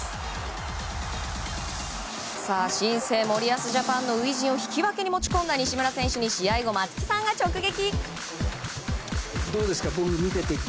新生・森保ジャパンの初陣を引き分けに持ち込んだ西村選手に試合後松木さんが直撃！